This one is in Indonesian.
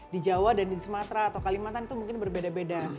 di jawa dan di sumatera atau kalimantan itu mungkin berbeda beda